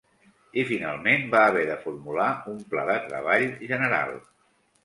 I finalment va haver de formular un pla de treball general.